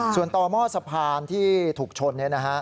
ส่วนต่อหม้อสะพานที่ถูกชน